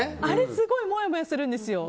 すごいもやもやするんですよ。